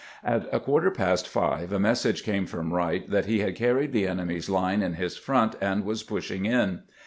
At a quarter past five a message came from "Wright that he had carried the enemy's line in his front and was pushing in.